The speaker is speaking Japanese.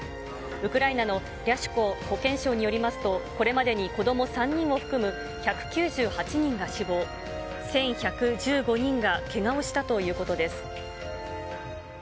ウクライナのリャシュコ保健相によりますと、これまでに子ども３人を含む１９８人が死亡、１１１５人がけがをしたということです。